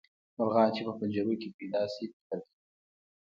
مرغان چې په پنجرو کې پیدا شي فکر کوي.